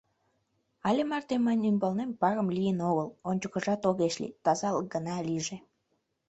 Але марте мыйын ӱмбалнем парым лийын огыл, ончыкыжат огеш лий, тазалык гына лийже.